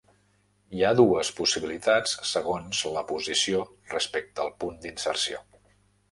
Hi ha dues possibilitats segons la posició respecte al punt d'inserció.